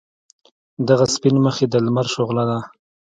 دغه سپین مخ یې د لمر شعله ده.